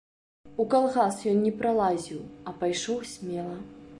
У калгас ён не пралазіў, а пайшоў смела.